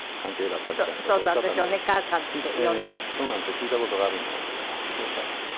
聞いた事があるものでねああそうかと。